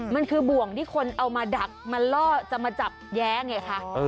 มันคือบ่วงที่คนเอามาดักมาล่อจะมาจับแย้ไงคะ